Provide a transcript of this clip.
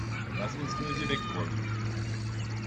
Lass uns welche wegräumen.